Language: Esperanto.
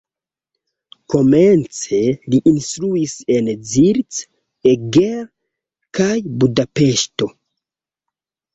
Komence li instruis en Zirc, Eger kaj Budapeŝto.